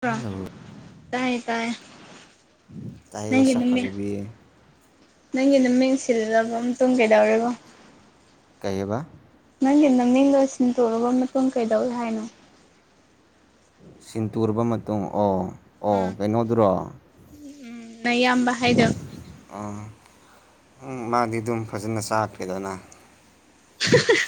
ꯄ꯭ꯔ ꯇꯥꯏꯌꯦ ꯇꯥꯏ ꯇꯥꯏꯌꯦ ꯅꯪꯒꯤ ꯁꯛ ꯃꯃꯤꯡ ꯐꯖꯕꯤ ꯅꯪꯒꯤ ꯅꯃꯤꯡ ꯁꯤꯜꯂꯕ ꯃꯇꯨꯡ ꯀꯩꯗꯧꯔꯦꯕ? ꯀꯩꯌꯦꯕ? ꯅꯪꯒꯤ ꯅꯪꯃꯤꯡꯗꯣ ꯁꯤꯟꯇꯣꯛꯑꯕ ꯃꯇꯨꯡ ꯀꯩꯗꯧꯋꯤ ꯍꯥꯏꯅꯣ? ꯁꯤꯟ ꯇꯨꯔꯕ ꯃꯇꯨꯡ ꯑꯣ ꯑꯣ ꯑꯥ ꯀꯩꯅꯣꯗꯨꯔꯣ ꯎꯝ ꯅꯌꯥꯝꯕ ꯍꯥꯏꯗꯣ ꯑꯥ ꯎꯝ ꯃꯥꯗꯤ ꯑꯗꯨꯝ ꯐꯖꯅ ꯆꯥꯈ꯭ꯔꯦꯗꯅ [unintelligible]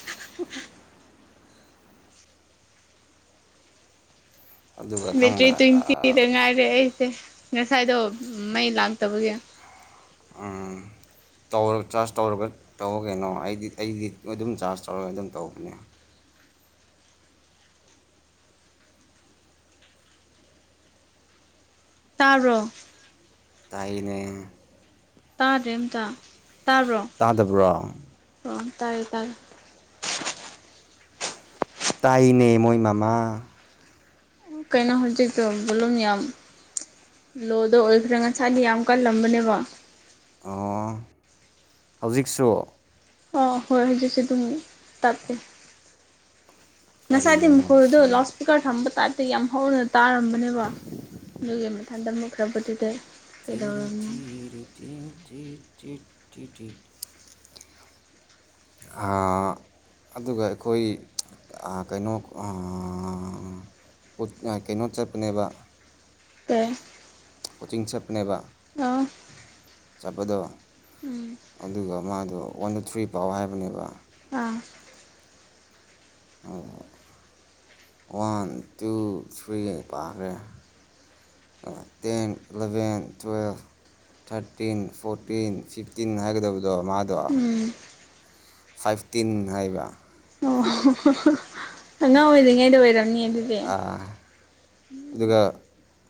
ꯑꯗꯨꯒ ꯕꯦꯇ꯭ꯔꯤ ꯈꯪꯕ꯭ꯔꯥ ꯇꯨꯏꯟꯇꯤꯗ ꯉꯥꯏꯔꯦ ꯑꯩꯁꯦ ꯉꯁꯥꯏꯗꯣ ꯃꯩ ꯂꯥꯛꯇꯕꯒꯤ ꯎꯝ ꯇꯧꯔꯒ ꯆꯥꯔꯖ ꯇꯧꯔꯒ ꯇꯧꯋꯣ ꯀꯩꯅꯣ ꯑꯩꯗꯤ ꯑꯩꯗꯤ ꯑꯗꯨꯝ ꯆꯥꯔꯖ ꯇꯧꯔꯒ ꯑꯗꯨꯝ ꯇꯧꯕꯅꯦ ꯇꯥꯕ꯭ꯔꯣ? ꯇꯥꯏꯌꯦꯅꯦ ꯇꯥꯗ꯭ꯔꯦ ꯑꯝꯇ ꯇꯥꯕ꯭ꯔꯣ? ꯇꯥꯗꯕ꯭ꯔꯣꯡ? ꯔꯣꯡ ꯇꯥꯏꯌꯦ ꯇꯥꯏꯌꯦ ꯇꯥꯏꯌꯦꯅꯦ ꯃꯣꯏ ꯃꯥꯃꯥ ꯀꯩꯅꯣ ꯍꯧꯖꯤꯛꯇꯣ ꯚꯣꯂꯨꯝ ꯌꯥꯝ ꯂꯣꯗ ꯑꯣꯏꯈ꯭ꯔꯦ ꯉꯁꯥꯏꯗꯤ ꯌꯥꯝ ꯀꯥꯜꯂꯝꯕꯅꯦꯕ ꯑꯣ ꯍꯧꯖꯤꯛꯁꯨ ꯑꯣ ꯍꯣꯏ ꯍꯧꯖꯤꯛꯁꯨ ꯑꯗꯨꯝ ꯇꯞꯄꯦ ꯉꯁꯥꯏꯗꯤ ꯀꯔꯤꯒꯤꯅꯣ ꯃꯈꯣꯜꯗꯨ ꯂꯥꯎꯗ ꯁꯤ ꯁ꯭ꯄꯤꯀꯔ ꯊꯝꯕ ꯇꯏꯞꯇꯥ ꯌꯥꯝ ꯍꯧꯅ ꯇꯥꯔꯝꯕꯅꯦꯕ ꯑꯗꯨꯒꯤ ꯃꯊꯟꯗ ꯃꯨꯠꯈ꯭ꯔꯕꯗꯨꯗꯩ [unintelligible] ꯑꯥ ꯑꯗꯨꯒ ꯑꯩꯈꯣꯏ ꯑꯥ ꯀꯩꯅꯣ ꯑꯥ ꯎꯠ ꯉꯥꯏ ꯀꯩꯅꯣ ꯆꯠꯄꯅꯦꯕ ꯀꯩ ꯀꯣꯆꯤꯡ ꯆꯠꯄꯅꯦꯕ ꯅꯧ ꯆꯠꯄꯗꯣ ꯑꯗꯨꯒ ꯃꯥꯗꯣ ꯋꯥꯟ ꯇꯨ ꯊ꯭ꯔꯤ ꯄꯥꯎ ꯍꯥꯏꯕꯅꯦꯕ ꯑꯥ [unintelligible] ꯋꯥꯟ ꯇꯨ ꯊ꯭ꯔꯤ ꯄꯥꯈ꯭ꯔꯦ ten eleven twelve thirteen fourteen fifteen ꯍꯥꯏꯒꯗꯕꯗꯣ ꯃꯥ ꯗꯣ ꯎꯝ ꯐꯥꯏꯚꯇꯤꯟ ꯍꯥꯏꯕ ꯑꯣ [unintelligible] ꯑꯉꯥꯡ ꯑꯣꯏꯔꯤꯉꯩꯗ ꯑꯣꯏꯔꯝꯅꯤ ꯑꯗꯨꯗꯤ ꯑꯥ ꯑꯗꯨꯒ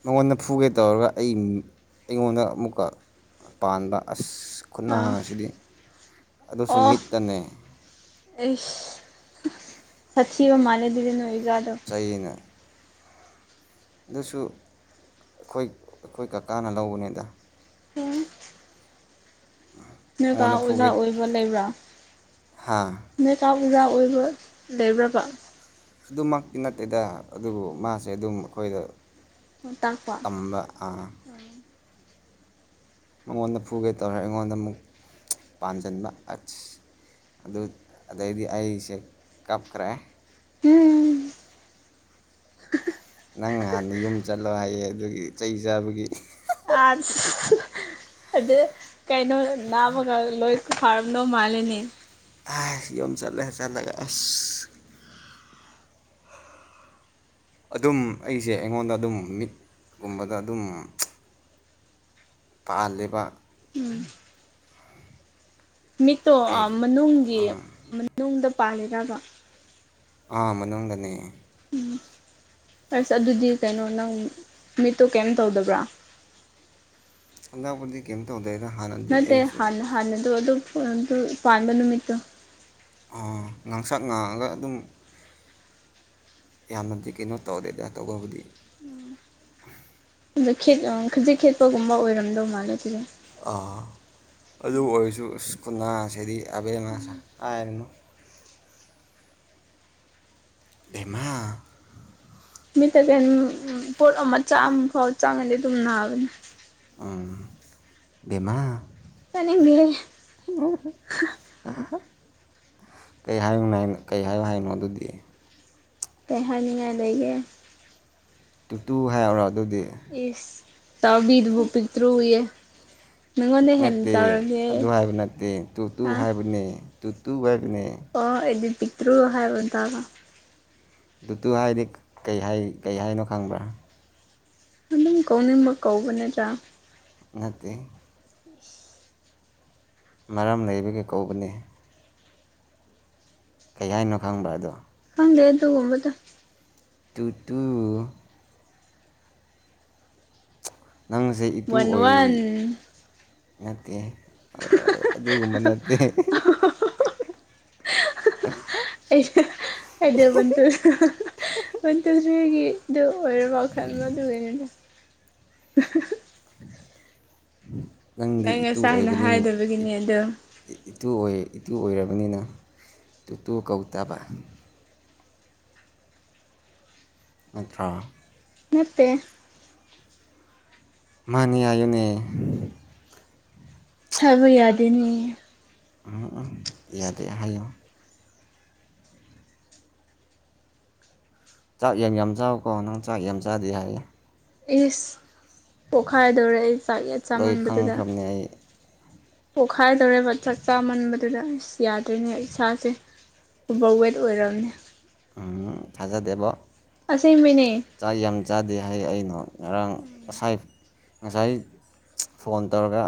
ꯃꯉꯣꯟꯗ ꯐꯨꯒꯦ ꯇꯧꯔꯒ ꯑꯩ ꯎꯝ ꯑꯩꯉꯣꯟꯗ ꯑꯃꯨꯛꯀ ꯄꯥꯟꯕ ꯑꯁ ꯑꯣ ꯈꯨꯠꯅꯥꯁꯤꯗꯤ ꯑꯗꯨꯁꯨ ꯃꯤꯠꯇꯅꯦ ꯏꯁ ꯁꯊꯤꯕ ꯃꯥꯜꯂꯦ ꯑꯗꯨꯗꯤꯅꯣꯏ ꯑꯣꯖꯥ ꯆꯩꯅ ꯑꯗꯨꯁꯨ ꯑꯈꯣꯏ ꯑꯈꯣꯏ ꯀꯥꯀꯥꯅ ꯂꯧꯕꯅꯦꯗ ꯅꯣꯏꯀꯥ ꯃꯉꯣꯟꯗ ꯑꯣꯖꯥ ꯐꯨꯒꯦ ꯑꯣꯏꯕ ꯂꯩꯕ꯭ꯔꯥ ꯍꯥ ꯅꯣꯏꯀꯥ ꯑꯣꯖꯥ ꯑꯣꯏꯕ ꯂꯩꯕ꯭ꯔꯥꯕ ꯑꯗꯨꯃꯛꯇꯤ ꯅꯠꯇꯦꯗ ꯑꯗꯨꯕꯨ ꯃꯥꯁꯦ ꯑꯗꯨꯝ ꯑꯈꯣꯏꯗ ꯇꯥꯛꯄ ꯇꯥꯝꯕ ꯑꯥ ꯃꯉꯣꯟꯗ ꯐꯨꯒꯦ ꯇꯧꯔ ꯑꯩꯉꯣꯟꯗ ꯑꯃꯨꯛ ꯄꯥꯟꯖꯥꯟꯕ ꯑꯠꯁ ꯑꯗꯨ ꯑꯗꯩꯗꯤ ꯑꯩꯁꯦ ꯀꯥꯞꯈ꯭ꯔꯦ ꯎꯝ ꯅꯪ ꯍꯥꯟꯅ ꯌꯨꯝ ꯆꯠꯂꯣ ꯍꯥꯏꯌꯦ ꯑꯗꯨꯒꯤ ꯆꯩ ꯆꯥꯕꯒꯤ ꯑꯥꯠꯁ ꯑꯗꯨ ꯀꯩꯅꯣ ꯅꯥꯕꯒ ꯂꯣꯏ ꯐꯥꯔꯝꯗꯧ ꯃꯥꯜꯂꯦꯅꯦ ꯑꯥꯏ ꯌꯨꯝ ꯆꯠꯂꯦ ꯆꯠꯂꯒ ꯑꯁ ꯑꯗꯨꯝ ꯑꯩꯖꯦ ꯑꯩꯉꯣꯟꯗ ꯑꯗꯨꯝ ꯃꯤꯠꯀꯨꯝꯕꯗ ꯑꯗꯨꯝ ꯄꯥꯜꯂꯦꯕ ꯎꯝ ꯃꯤꯠꯇꯣ ꯑꯥ ꯀꯩ ꯃꯅꯨꯡꯒꯤ ꯃꯅꯨꯡꯗ ꯄꯥꯜꯂꯤꯔꯥꯕ ꯑꯥ ꯃꯅꯨꯡꯗꯅꯦ ꯎꯝ ꯑꯁ ꯑꯗꯨꯗꯤ ꯀꯩꯅꯣ ꯅꯪ ꯃꯤꯠꯇꯣ ꯀꯩꯝ ꯇꯧꯗꯕ꯭ꯔꯥ ꯍꯟꯗꯛꯄꯨꯗꯤ ꯀꯩꯝ ꯇꯧꯗꯦꯗ ꯍꯥꯟꯅꯗꯤ ꯅꯠꯇꯦ ꯑꯩꯁꯨ ꯍꯥꯟꯅ ꯍꯥꯟꯅꯗꯣ ꯑꯗꯨꯝ ꯍꯣꯏ ꯑꯗꯨ ꯄꯥꯟꯕ ꯅꯨꯃꯤꯠꯇꯨ ꯑꯣ ꯉꯥꯡꯁꯛ ꯉꯥꯡꯉꯒ ꯑꯗꯨꯝ ꯌꯥꯝꯅꯗꯤ ꯀꯩꯅꯣ ꯇꯧꯗꯦꯗ ꯇꯧꯕꯕꯨꯗꯤ ꯈꯖꯤꯛ ꯈꯦꯠ ꯈꯖꯤꯛ ꯈꯦꯠꯄꯒꯨꯝꯕ ꯑꯣꯏꯔꯝꯗꯧ ꯃꯥꯜꯂꯦ ꯑꯗꯨꯗꯤ ꯑꯥ ꯑꯗꯨ ꯑꯣꯏꯔꯁꯨ ꯑꯁ ꯈꯨꯅꯥꯁꯤꯗꯤ ꯑꯕꯦꯝꯃꯥꯁ ꯍꯥꯏꯔꯨꯅꯨ ꯕꯦꯃꯥ ꯃꯤꯠꯇꯒ ꯎꯝ ꯄꯣꯠ ꯑꯃ ꯆꯥ ꯑꯃꯐꯥꯎ ꯆꯪꯉꯗꯤ ꯑꯗꯨꯝ ꯅꯥꯕꯅꯦ ꯎꯝ ꯕꯦꯃꯥ ꯇꯥꯅꯤꯡꯗꯦꯍꯦ [unintelligible] ꯀꯩ ꯍꯥꯏꯌꯦꯃꯦꯡ ꯀꯩ ꯍꯥꯏꯌꯣ ꯍꯥꯏꯅꯣ ꯑꯗꯨꯗꯤ ꯀꯩ ꯍꯥꯏꯅꯤꯡꯉꯥꯏ ꯂꯩꯒꯦ ꯇꯨꯇꯨ ꯍꯥꯏꯔꯛꯎꯔꯣ ꯑꯗꯨꯗꯤ ꯏꯁ ꯇꯥꯕꯤꯗꯨꯕꯨ ꯄꯤꯛꯇ꯭ꯔꯨꯌꯦ ꯅꯪꯉꯣꯟꯗ ꯍꯦꯟꯅ ꯅꯠꯇꯦ ꯑꯗꯨ ꯆꯥꯎꯔꯒꯦ ꯍꯥꯏꯕ ꯅꯠꯇꯦ ꯇꯨ ꯇꯨ ꯍꯥ ꯍꯥꯏꯕꯅꯦ ꯇꯨ ꯇꯨ ꯍꯥꯏꯕꯅꯦ ꯑꯣ ꯑꯩꯗꯤ ꯄꯤꯛꯇ꯭ꯔꯨ ꯍꯥꯏꯕ ꯇꯥꯕ ꯇꯨ ꯇꯨ ꯍꯥꯏꯗꯤ ꯀꯩ ꯍꯥꯏ ꯀꯩ ꯍꯥꯏꯅꯣ ꯈꯪꯕ꯭ꯔꯥ ꯑꯗꯨꯝ ꯀꯧꯅꯤꯡꯕ ꯀꯧꯕ ꯅꯦꯗ ꯅꯠꯇꯦ ꯏꯁ ꯃꯔꯝ ꯂꯩꯕꯒꯤ ꯀꯧꯕꯅꯦ ꯀꯩ ꯍꯥꯏꯅꯣ ꯈꯪꯕ꯭ꯔꯥ ꯑꯗꯣ ꯈꯪꯗꯦ ꯑꯗꯨꯒꯨꯝꯕꯗꯣ ꯇꯨ ꯇꯨ ꯅꯪꯁꯦ ꯏꯇꯨ ꯋꯥꯟ ꯑꯣꯏꯌꯦ ꯋꯥꯟ ꯅꯠꯇꯦ ꯑꯗꯨꯒꯨꯝꯕ ꯅꯠꯇꯦ [unintelligible] [unintelligible] [unintelligible] ꯗꯨ ꯑꯣꯏꯔꯕ ꯈꯟꯕ ꯗꯨꯒꯤꯅꯤꯗ [inaudible] ꯅꯪꯗꯤ ꯅꯪ ꯏꯇꯨ ꯉꯁꯥꯏꯅ ꯑꯣꯏꯕꯅꯤꯅ ꯍꯥꯏꯗꯕꯒꯤꯅꯦ ꯑꯗꯣ ꯏꯇꯨ ꯑꯣꯏ ꯏꯇꯨ ꯑꯣꯏꯔꯕꯅꯤꯅ ꯇꯨ ꯇꯨ ꯀꯧꯇꯥꯕ ꯅꯠꯇ꯭ꯔꯥ ꯅꯠꯇꯦ ꯃꯥꯅꯦ ꯍꯥꯏꯌꯨꯅꯦ ꯍꯥꯏꯕ ꯌꯥꯗꯦꯅꯦ ꯌꯥꯗꯦ ꯍꯥꯏꯌꯣ ꯆꯥꯛ ꯌꯥꯡ ꯌꯥꯝ ꯆꯥꯎꯀꯣ ꯅꯪ ꯆꯥꯛ ꯌꯥꯝ ꯆꯥꯗꯦ ꯍꯥꯏꯌꯦ ꯏꯁ ꯄꯣꯛꯈꯥꯏꯗꯧꯔꯦ ꯑꯩ ꯆꯥꯛ ꯂꯣꯏ ꯆꯥꯃꯟꯕꯗꯨꯗ ꯈꯪꯈ꯭ꯔꯕꯅꯦ ꯑꯩ ꯄꯣꯛꯈꯥꯏꯗꯧꯔꯦꯕ ꯆꯥꯛ ꯆꯥꯃꯟꯕꯗꯨꯗ ꯑꯁ ꯌꯥꯗꯔꯦꯅꯦ ꯏꯁꯥꯁꯦ ꯑꯣꯕꯔ ꯋꯦꯠ ꯑꯣꯏꯔꯝꯅꯤꯅ ꯎꯝ ꯊꯥꯖꯗꯦꯕꯣ ꯑꯁꯦꯡꯕꯩꯅꯦ ꯆꯥꯛ ꯌꯥꯝ ꯆꯥꯗꯦ ꯍꯥꯏꯌꯦ ꯑꯩꯅ ꯉꯔꯥꯡ ꯉꯁꯥꯏ ꯉꯁꯥꯏ ꯐꯣꯟ ꯇꯧꯔꯒ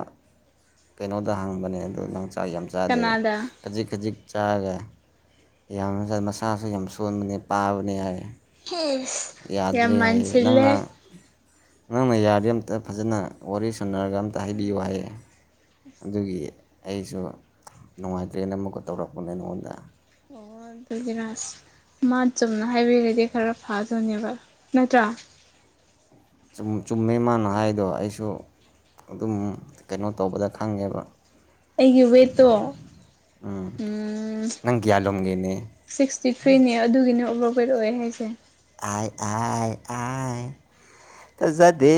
ꯀꯩꯅꯣꯗ ꯍꯪꯕꯅꯦ ꯑꯗꯨ ꯅꯪ ꯆꯥꯛ‌ ꯌꯥꯝ ‌ꯆꯥꯗꯦꯌꯦ ꯀꯅꯥꯗ ꯈꯖꯤꯛ ꯈꯖꯤꯛ ꯆꯥꯔꯒ ꯌꯥꯝ ꯃꯁꯥꯁꯨ ꯌꯥꯝ ꯁꯣꯟꯕꯅꯦ ꯄꯥꯕꯅꯤ ꯍꯥꯏꯔꯛꯑꯦ ꯏꯁ ꯌꯥꯗ꯭ꯔꯦ ꯍꯥꯏꯌꯦ ꯅꯪꯅ ꯅꯪꯅ ꯌꯥꯔꯗꯤ ꯑꯝꯇ ꯐꯖꯅ ꯋꯥꯔꯤ ꯁꯥꯟꯅꯔꯒ ꯑꯝꯇ ꯍꯥꯏꯕꯤꯌꯨ ꯍꯥꯏꯌꯦ ꯑꯗꯨꯒꯤ ꯑꯩꯁꯨ ꯅꯨꯡꯉꯥꯏꯇ꯭ꯔꯦꯅ ꯑꯃꯨꯛꯀ ꯇꯧꯔꯛꯄꯅꯦ ꯅꯪꯉꯣꯟꯗ ꯑꯣ ꯑꯗꯨꯒꯤꯔ ꯃꯥ ꯆꯨꯝꯅ ꯍꯥꯏꯕꯤꯔꯗꯤ ꯈꯔ ꯐꯥꯗꯣꯏꯅꯦꯕ ꯅꯠꯇ꯭ꯔꯥ ꯆꯨꯝ ꯆꯨꯝꯃꯦ ꯃꯥꯅ ꯍꯥꯏꯗꯣ ꯑꯩꯁꯨ ꯑꯗꯨꯝ ꯀꯩꯅꯣ ꯇꯧꯕꯗ ꯈꯪꯉꯦꯕ ꯑꯩꯒꯤ ꯋꯦꯠꯇꯣ ꯎꯝ ꯅꯪ ꯀꯌꯥꯂꯣꯝꯒꯤꯅꯤ ꯁꯤꯛꯁꯇꯤ ꯊ꯭ꯔꯤꯅꯦ ꯑꯗꯨꯒꯤꯅ ꯑꯣꯕꯔ ꯋꯦꯠ ꯑꯣꯏ ꯍꯥꯏꯁꯦ ꯑꯥꯏ ꯑꯥꯏ ꯑꯥꯏ ꯇꯥꯖꯥꯗꯦ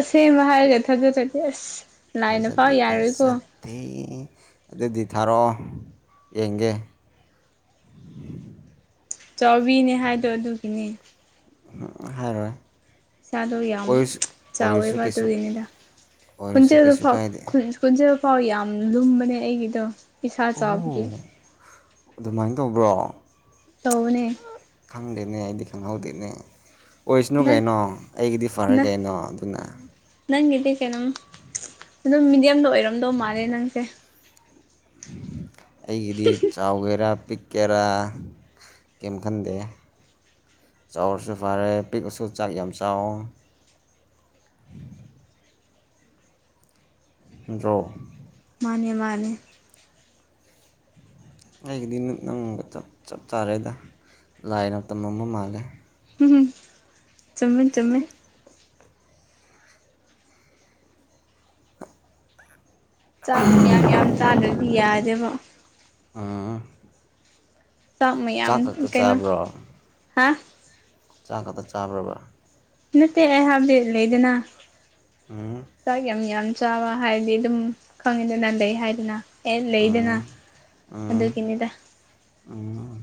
ꯑꯁꯦꯡꯕ ꯍꯥꯏꯔꯒ ꯊꯥꯖꯗ꯭ꯔꯗꯤ ꯑꯁ ꯂꯥꯏꯅ ꯐꯥꯎ ꯌꯥꯔꯣꯏꯀꯣ ꯑꯦ ꯑꯗꯨꯗꯤ ꯊꯥꯔꯛꯑꯣ ꯌꯦꯡꯒꯦ ꯆꯥꯎꯕꯤꯅꯦ ꯍꯥꯏꯗꯣ ꯑꯗꯨꯒꯤꯅꯦ ꯍꯥꯏꯔꯣꯏ ꯏꯁꯥꯗꯣ ꯌꯥꯝ ꯑꯣꯏꯔꯁꯨ ꯑꯣꯏꯔꯁꯨ ꯆꯥꯎꯋꯦꯕ ꯀꯩꯁꯨ ꯑꯗꯨꯒꯤꯅꯤꯗ ꯑꯣꯏꯔꯁꯨ ꯈꯨꯟꯆꯦꯟꯗꯨ ꯀꯩꯁꯨ ꯐꯥꯎ ꯀꯥꯏꯗꯦ ꯈꯣꯟꯖꯦꯟꯐꯥꯎ ꯌꯥꯝ ꯂꯨꯝꯕꯅꯦ ꯑꯩꯒꯤꯗꯣ ꯏꯁꯥ ꯆꯥꯎꯕꯒꯤ ꯑꯗꯨꯃꯥꯏ ꯇꯧꯕ꯭ꯔꯣ ꯇꯧꯕꯅꯦ ꯈꯪꯗꯦꯅ ꯑꯩꯗꯤ ꯈꯪꯍꯧꯗꯦꯅꯦ ꯑꯣꯏꯁꯅꯨ ꯅꯪ ꯀꯩꯅꯣ ꯑꯩꯒꯤꯗꯤ ꯐꯔꯦ ꯅꯪ ꯀꯩꯅꯣ ꯑꯗꯨꯅ ꯅꯪꯒꯤꯗꯤ ꯀꯩꯅꯣꯝ ꯑꯗꯨꯝ ꯃꯤꯗꯤꯌꯝꯗ ꯑꯣꯏꯔꯝꯗꯧ ꯃꯥꯜꯂꯦ ꯅꯪꯁꯦ ꯑꯩꯒꯤꯗꯤ ꯆꯥꯎꯒꯦꯔꯥ ꯄꯤꯛ ꯀꯦꯔꯥ ꯀꯦꯝ ꯈꯟꯗꯦ ꯆꯥꯎꯔꯁꯨ ꯐꯔꯦ ꯄꯤꯛꯑꯁꯨ ꯆꯥꯛ ꯌꯥꯝ ꯆꯥꯋꫭ [unintelligible] ꯃꯥꯅꯦ ꯃꯥꯅꯦ ꯑꯩꯒꯤꯗꯤ ꯅꯨꯠ ꯅꯪꯒ ꯆꯞ ꯆꯞ ꯆꯥꯔꯦꯗ ꯂꯥꯏꯅ ꯇꯝꯃꯝꯕ ꯃꯥꯜꯂꯦ ꯍꯨꯝꯎꯝ ꯆꯨꯝꯃꯦ ꯆꯨꯝꯃꯦ ꯆꯥꯛ ꯌꯥꯝ ꯌꯥꯝ ꯆꯥꯗ꯭ꯔꯗꯤ ꯌꯥꯗꯦꯕ ꯎꯝ ꯆꯥꯛ ꯃꯌꯥꯝ ꯈꯛꯇ ꯀꯩꯅꯣ ꯆꯥꯕ꯭ꯔꯣ ꯍꯥ ꯆꯥꯛ ꯈꯛꯇ ꯆꯥꯕ꯭ꯔꯕ ꯅꯠꯇꯦ ꯑꯩ ꯍꯥꯏꯕꯗꯤ ꯂꯩꯗꯅ [unintelligible] ꯆꯥꯛ ꯌꯥꯝ ꯌꯥꯝ ꯆꯥꯕ ꯍꯥꯏꯗꯤ ꯑꯗꯨꯝ ꯈꯪꯉꯤꯗꯅ ꯂꯩꯩ ꯍꯥꯏꯗꯅ ꯑꯦ ꯂꯩꯗꯅ ꯎꯝ ꯎꯝ ꯑꯗꯨꯒꯤꯅꯤꯗ ꯎꯝ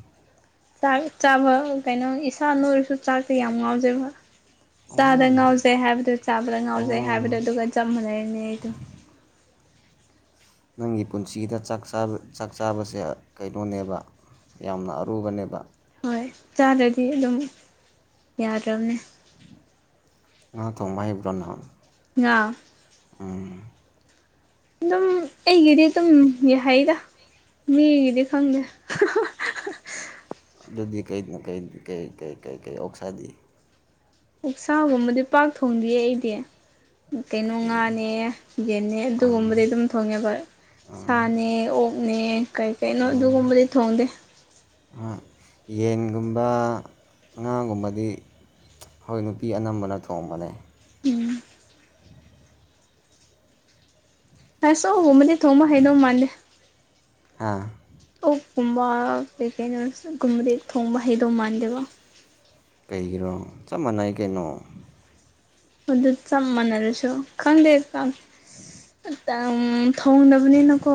ꯆꯥꯛ ꯆꯥꯕ ꯀꯩꯅꯣ ꯏꯁꯥ ꯅꯣꯏꯔꯁꯨ ꯆꯥꯛꯇꯤ ꯌꯥꯝ ꯉꯥꯎꯖꯕ ꯆꯥꯗ ꯑꯣ ꯉꯥꯎꯖꯩ ꯍꯥꯏꯕꯗꯨ ꯆꯥꯕꯗ ꯑꯣ ꯉꯥꯎꯖꯩ ꯍꯥꯏꯕꯗꯨ ꯑꯗꯨꯒ ꯆꯞ ꯃꯅꯔꯤꯅꯦ ꯑꯩꯗꯨ ꯅꯪꯒꯤ ꯄꯨꯟꯁꯤꯗ ꯆꯥꯛ ꯆꯥꯕ ꯆꯥꯛ ꯆꯥꯕꯁꯦ ꯑ ꯀꯩꯅꯣꯅꯦꯕ ꯌꯥꯝꯅ ꯑꯔꯨꯕꯅꯦꯕ ꯍꯣꯏ ꯆꯥꯗ꯭ꯔꯗꯤ ꯑꯗꯨꯝ ꯌꯥꯗ꯭ꯔꯝꯅꯦ ꯉꯥ ꯊꯣꯡꯕ ꯍꯩꯕ꯭ꯔꯣ ꯅꯪ ꯉꯥ ꯑꯝ ꯗꯨꯝ ꯑꯩꯒꯤꯗꯤ ꯑꯗꯨꯝ ꯍꯩꯗ ꯃꯤꯒꯤꯗꯤ ꯈꯪꯗꯦ ꯑꯗꯨꯗꯤ ꯀꯩ ꯀ ꯩꯀꯩ ꯀꯩꯀꯩꯀꯩ ꯑꯣꯛꯁꯥꯗꯤ ꯑꯣꯛꯁꯥꯒꯨꯝꯕꯗꯤ ꯄꯥꯛ ꯊꯣꯡꯗꯤꯌꯦ ꯑꯩꯗꯤ ꯀꯩꯅꯣ ꯉꯥꯅꯦ ꯌꯦꯟꯅꯦ ꯑꯗꯨꯒꯨꯝꯕꯗꯤ ꯑꯩꯈꯣꯏꯒꯤ ꯑꯗꯨꯝ ꯊꯣꯡꯉꯦꯕ ꯁꯥꯅꯦ ꯑꯣꯛꯅꯦ ꯀꯩ ꯀꯩꯅꯣ ꯑꯗꯨꯒꯨꯝꯕꯗꯤ ꯊꯣꯡꯗꯦ ꯑꯥ ꯌꯦꯟꯒꯨꯝꯕ ꯉꯥꯒꯨꯝꯕꯗꯤ ꯍꯣꯏ ꯅꯨꯄꯤ ꯑꯅꯝꯕꯅ ꯊꯣꯡꯕꯅꯦ ꯎꯝ [unintelligible] ꯁꯣꯒꯨꯝꯕꯗꯤ ꯊꯣꯡꯕ ꯍꯩꯗꯧ ꯃꯥꯥꯟꯗꯦ ꯍꯥ ꯑꯣꯛꯀꯨꯝꯕ ꯀꯩ ꯀꯩꯅꯣ ꯒꯨꯝꯕꯗꯤ ꯊꯣꯡꯕ ꯍꯩꯗꯧ ꯃꯥꯟꯗꯦꯕ ꯀꯩꯒꯤꯔꯣ ꯆꯞ ꯃꯥꯟꯅꯩ ꯀꯩꯅꯣ ꯑꯗꯨ ꯆꯞ ꯃꯥꯅꯔꯁꯨ ꯈꯪꯗꯦ [unintelligible] ꯑꯝ ꯊꯣꯡꯗꯕꯅꯤꯅꯀꯣ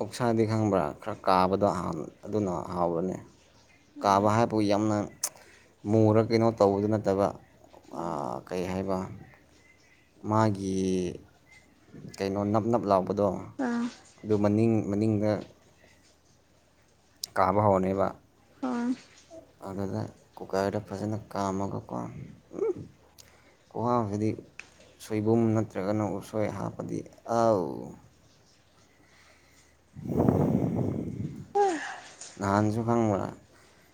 ꯑꯣꯛꯁꯥꯗꯤ ꯈꯪꯕ꯭ꯔꯥ ꯈꯔ ꯀꯥꯕꯗꯣ ꯑꯗꯨꯅ ꯍꯥꯎꯕꯅꯦ ꯑꯣ ꯀꯥꯕ ꯍꯥꯏꯕꯨ ꯌꯥꯝꯅ [unintelligible] ꯃꯨꯨꯔ ꯀꯩꯅꯣ ꯇꯧꯕꯗꯨ ꯅꯠꯇꯕ ꯑꯥ ꯀꯩ ꯍꯥꯏꯕ ꯃꯥꯒꯤ ꯀꯩꯅꯣ ꯅꯞ ꯅꯞ ꯂꯥꯎ ꯄꯗꯣ ꯑꯣ ꯑꯗꯨ ꯃꯅꯤꯡ ꯃꯅꯤꯡꯗ ꯀꯥꯕ ꯍꯧꯔꯅꯦꯕ [unintelligible] ꯑꯗꯨꯗ ꯀꯨꯀꯔꯗ ꯐꯖꯅ ꯀꯥꯝꯃꯒꯀꯣ ꯎꯝ ꯈꯨꯍꯥꯎꯁꯤꯗꯤ ꯁꯣꯏꯕꯨꯝ ꯅꯠꯇ꯭ꯔꯒꯅ ꯎꯁꯣꯏ ꯍꯥꯞꯄꯗꯤ ꯑꯧ [unintelligible] ꯑꯥ ꯅꯍꯥꯟꯁꯨꯨ ꯈꯡꯕ꯭ꯔꯥ꯫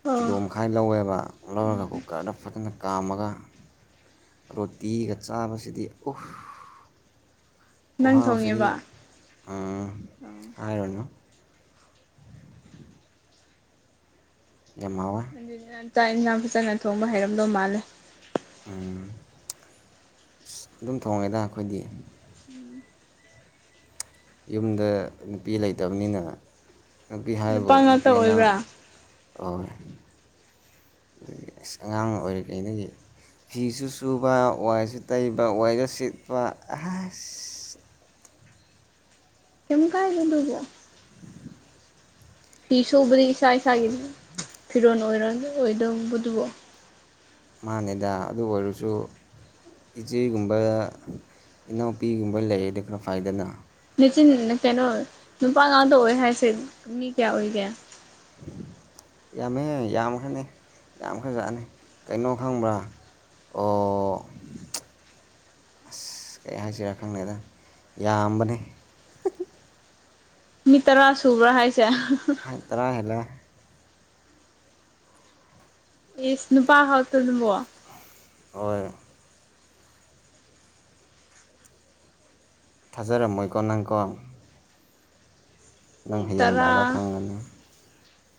ꯑꯣ ꯀꯤꯂꯣ ꯃꯈꯥꯏ ꯂꯧꯋꯦꯕ ꯂꯧꯔꯒ ꯎꯝ ꯀꯨꯀꯔꯗ ꯐꯖꯅ ꯀꯥꯝꯃꯒ꯫ ꯔꯣꯇꯤꯒ ꯆꯥꯕꯁꯤꯗꯤ ꯎꯐ ꯅꯪ ꯈꯨꯍꯥꯎꯁꯤꯗꯤ꯫ ꯊꯣꯡꯉꯦꯕ ꯎꯝ ꯑꯣ ꯍꯥꯏꯔꯨꯅꯨ꯫ ꯌꯥꯝ ꯍꯥꯎꯋꯦ꯫ ꯑꯗꯨꯗꯤ ꯅꯪ ꯆꯥꯛ ꯏꯟꯁꯥꯡ ꯐꯖꯅ ꯊꯣꯡꯕ ꯍꯩꯔꯝꯗꯧ ꯃꯥꯜꯂꯦ꯫ ꯎꯝ ꯑꯁ ꯑꯗꯨꯝ ꯊꯣꯡꯉꯦꯗ ꯑꯈꯣꯏꯗꯤ꯫ ꯎꯝ꯫ ꯌꯨꯝꯗ ꯅꯨꯄꯤ ꯂꯩꯇꯕꯅꯤꯅ ꯅꯨꯄꯤ ꯍꯥꯏꯕꯨ ꯅꯨꯄꯥ ꯅꯨꯄꯤ ꯉꯥꯛꯇ ꯑꯉꯥꯡ ꯑꯣꯏꯕ꯭ꯔꯥ ꯑꯣ ꯑꯁ ꯑꯉꯥꯡ ꯑꯣꯏꯔꯤꯉꯩꯗꯒꯤ ꯐꯤꯁꯨ ꯁꯨꯕ ꯋꯥꯏꯁꯨ ꯇꯩꯕ ꯋꯥꯏꯁꯨ ꯁꯤꯠꯄ ꯑꯁ꯫ ꯀꯩꯝ ꯀꯥꯏꯗꯦ ꯗꯨꯕꯨ꯫ ꯐꯤ ꯁꯨꯕꯗꯤ ꯏꯁꯥ ꯏꯁꯥꯒꯤ ꯐꯤꯔꯣꯟ ꯑꯣꯏꯔꯣ ꯑꯣꯏꯗꯧꯕꯗꯨꯕꯨ꯫ ꯃꯥꯅꯦꯗꯥ ꯑꯗꯨ ꯑꯣꯏꯔꯁꯨ ꯏꯆꯦꯒꯨꯝꯕ ꯏꯅꯥꯎꯄꯤꯒꯨꯝꯕ ꯂꯩꯔꯗꯤ ꯈꯔ ꯐꯩꯗꯅ꯫ ꯅꯆꯤꯟ ꯀꯩꯅꯣ ꯅꯨꯄꯥ ꯉꯥꯛꯇ ꯑꯣꯏ ꯍꯥꯏꯁꯦ ꯃꯤ ꯀꯌꯥ ꯑꯣꯏꯒꯦ꯫ ꯌꯥꯝꯃꯦ ꯌꯥꯝꯈ꯭ꯔꯅꯤ ꯌꯥꯝꯈ꯭ꯔꯖꯥꯠꯅꯤ ꯀꯩꯅꯣ ꯈꯪꯕ꯭ꯔꯥ꯫ ꯑꯣ꯫ [unintelligible] ꯑꯁ ꯀꯔꯤ ꯍꯥꯏꯁꯤꯔꯥ ꯈꯪꯗꯦꯗ ꯌꯥꯝꯕꯅꯦ꯫ ꯃꯤ ꯇꯔꯥ ꯁꯨꯕ꯭ꯔꯥ ꯍꯥꯏꯁꯦ꯫ ꯇꯔꯥ ꯍꯦꯜꯂꯦ꯫ ꯏꯁ ꯅꯨꯨꯄꯥ ꯈꯛꯇꯗꯨꯕꯣ꯫ ꯍꯣꯏ꯫ ꯊꯥꯖꯔꯝꯃꯣꯏꯀꯣ ꯅꯪꯀꯣ꯫ ꯅꯪ ꯍꯌꯦꯡ ꯇꯔꯥ ꯂꯥꯛꯑꯒ ꯈꯪꯒꯅꯤ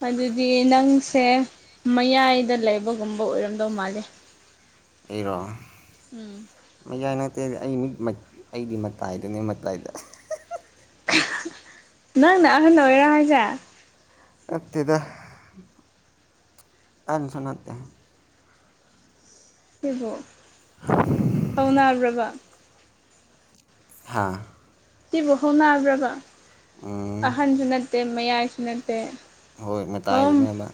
ꯑꯗꯨꯗꯤ ꯅꯪꯁꯦ ꯃꯌꯥꯏꯗ ꯂꯩꯕꯒꯨꯝꯕ ꯑꯣꯏꯔꯝꯗꯧ ꯃꯥꯜꯂꯦ꯫ ꯑꯩꯔꯣ꯫ ꯎꯝ ꯃꯌꯥꯏ ꯅꯛꯇꯦ ꯑꯩ ꯃꯤ ꯃ ꯑꯩꯗꯤ ꯃꯇꯥꯏꯗꯅꯦ ꯃꯇꯥꯏꯗ꯫ [unintelligible] [unintelligible] ꯅꯪꯅ ꯑꯍꯟ ꯑꯣꯏꯔ ꯍꯥꯏꯁꯦ꯫ ꯅꯠꯇꯦꯗ ꯑꯍꯟꯁꯨ ꯅꯠꯇꯦ꯫ ꯁꯤꯕꯣ ꯍꯧꯅꯥꯕ꯭ꯔꯕ꯫ ꯍꯥꯥ꯫ ꯁꯤꯕꯨ ꯍꯧꯅꯥꯕ꯭ꯔꯕ ꯎꯝ ꯑꯍꯟꯁꯨ ꯅꯠꯇꯦ ꯃꯌꯥꯏꯁꯨ ꯅꯠꯇꯦ꯫ ꯍꯣꯏ ꯍꯣꯝ ꯃꯇꯥꯏꯗꯅꯦꯕ꯫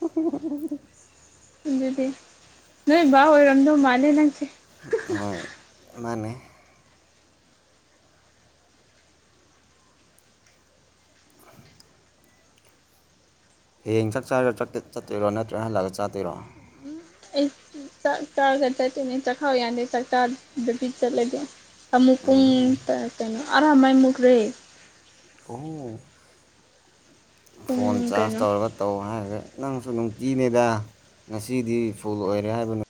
[unintelligible] ꯑꯗꯨꯗꯤ ꯅꯣꯏ ꯕꯥ ꯑꯣꯏꯔꯝꯗꯧ ꯃꯥꯜꯂꯦ ꯅꯪꯁꯦ꯫ ꯍꯣꯏ ꯃꯥꯅꯦ꯫ ꯍꯌꯦꯡ ꯆꯥꯛ ꯆꯥꯔ ꯆꯠ ꯆꯠꯇꯣꯏꯔꯣ ꯅꯠꯇ꯭ꯔꯒ ꯍꯜꯂꯛꯑꯒ ꯆꯥꯗꯣꯏꯔꯣ꯫ ꯑꯩ ꯆꯥꯛ ꯆꯥꯔꯒ ꯆꯠꯇꯣꯏꯅꯦ ꯆꯥꯛꯈꯥꯎ ꯌꯥꯗꯦ ꯆꯥꯛ ꯆꯥꯗ꯭ꯔꯗꯤ ꯆꯠꯂꯗꯤ꯫ ꯑꯃꯨꯛ ꯄꯨꯡ ꯎꯝ ꯇ ꯀꯩꯅꯣ ꯑꯔꯥ ꯃꯩ ꯃꯨꯠꯈ꯭ꯔꯦ꯫ ꯑꯣ ꯄꯨꯡ ꯐꯣꯟ ꯆꯥꯔꯖ ꯀꯩꯅꯣ ꯇꯧꯔꯒ ꯇꯧ ꯍꯥꯏꯒ꯭ꯔꯦ ꯅꯪꯁꯨ ꯅꯨꯡꯇꯤꯅꯦꯗ ꯉꯁꯤꯗꯤ ꯐꯨꯜ ꯑꯣꯏꯔꯦ ꯍꯥꯏꯕꯅ